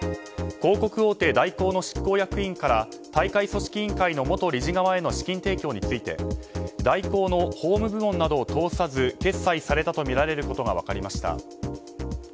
広告大手・大広の執行役員から大会組織委員会の元理事側への資金提供について大広の法務部門などを通さず決済されたとみられることが分かりました。